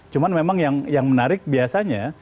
cuma memang yang menarik biasanya